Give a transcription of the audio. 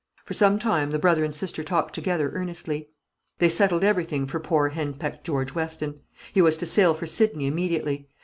For some time the brother and sister talked together earnestly. They settled everything for poor henpecked George Weston. He was to sail for Sydney immediately.